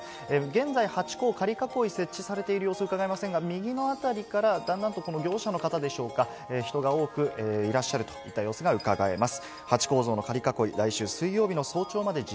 現在、ハチ公、仮囲い設置されている様子、うかがえませんが、だんだんと業者の方でしょうか、人が多くいらっしゃるといった様子がうかがえます。